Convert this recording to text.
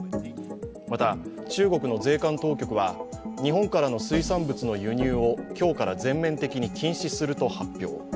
また、中国の税関当局は日本からの水産物の輸入を今日から全面的に禁止すると発表。